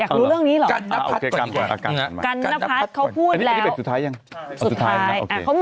อยากรู้เรื่องนี้หรอ